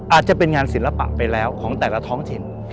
อาจจะเป็นงานศิลปะไปแล้วของแต่ละท้องถิ่น